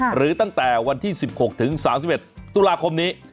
หรือตั้งแต่วันที่๑๖ถึง๓๑ตุลาคมนี้